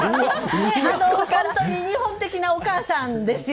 それは日本的なお母さんですよ。